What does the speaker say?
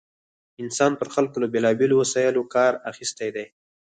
انسان پر خلکو له بېلا بېلو وسایلو کار اخیستی دی.